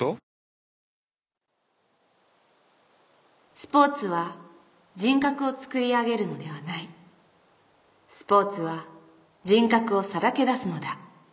「スポーツは人格をつくり上げるのではない」「スポーツは人格をさらけ出すのだ」